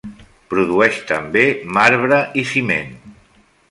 Produeix també marbre i ciment.